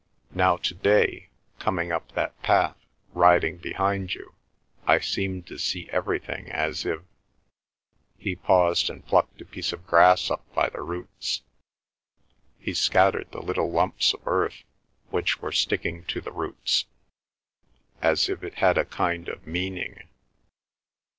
Now to day, coming up that path, riding behind you, I seemed to see everything as if—" he paused and plucked a piece of grass up by the roots. He scattered the little lumps of earth which were sticking to the roots—"As if it had a kind of meaning.